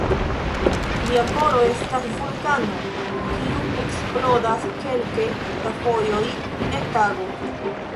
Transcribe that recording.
Lia koro estas vulkano, kiu eksplodas kelke da fojoj en tago.